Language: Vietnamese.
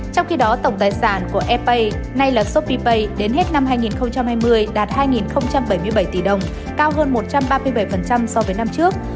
trong khi đó tổng tài sản của epay nay là sopipay đến hết năm hai nghìn hai mươi đạt hai bảy mươi bảy tỷ đồng cao hơn một trăm ba mươi bảy so với năm trước